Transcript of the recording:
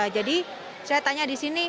jadi saya tanya di sini